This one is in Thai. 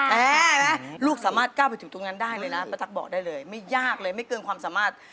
แม่ลูกสามารถก้าวไปถึงตรงนั้นได้เลยนะป้าตั๊กบอกได้เลยไม่ยากเลยไม่เกินความสามารถ